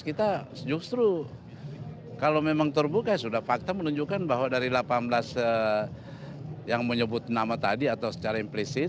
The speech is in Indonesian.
kita justru kalau memang terbuka sudah fakta menunjukkan bahwa dari delapan belas yang menyebut nama tadi atau secara implisit